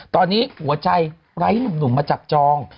ตอนนี้หัวใจร้ายธุรกิจหนุ่มมาจับจอง